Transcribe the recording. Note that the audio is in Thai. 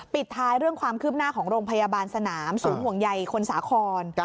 ปิดท้ายเรื่องความคืบหน้าของโรงพยาบาลสนามศูนย์ห่วงใยคนสาคร